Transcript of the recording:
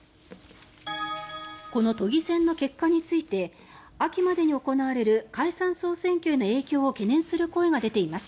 この都議選の結果について秋までに行われる解散・総選挙への影響を懸念する声が出ています。